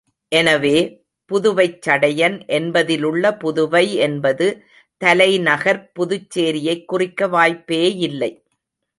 எனவே, புதுவைச் சடையன் என்பதிலுள்ள புதுவை என்பது, தலைநகர்ப் புதுச்சேரியைக் குறிக்க வாய்ப்பேயில்லை.